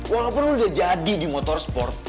walaupun lu udah jadi di motorsport